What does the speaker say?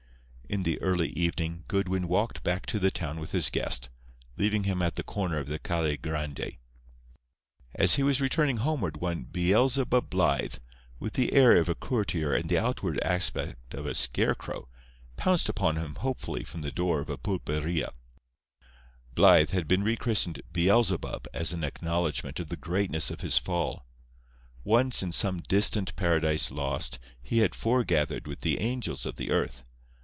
In the early evening Goodwin walked back to the town with his guest, leaving him at the corner of the Calle Grande. As he was returning homeward one "Beelzebub" Blythe, with the air of a courtier and the outward aspect of a scarecrow, pounced upon him hopefully from the door of a pulperia. Blythe had been re christened "Beelzebub" as an acknowledgment of the greatness of his fall. Once in some distant Paradise Lost, he had foregathered with the angels of the earth.